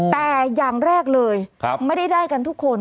แต่อย่างแรกเลยไม่ได้ได้กันทุกคน